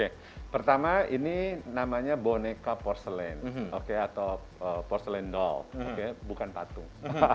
iya pertama ini namanya boneka porselen atau porselen doll bukan patung